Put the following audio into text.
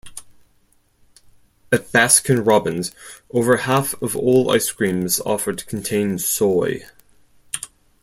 At Baskin Robbins, over half of all ice creams offered contain soy.